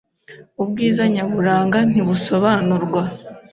Ubwiza nyaburanga ntibusobanurwa.